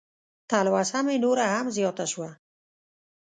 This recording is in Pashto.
تلوسه مې نوره هم زیاته شوه.